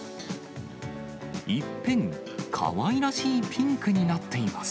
一変、かわいらしいピンクになっています。